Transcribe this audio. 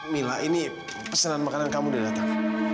mila ini pesanan makanan kamu udah datang